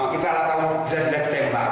kita tanggung jawab kita tembak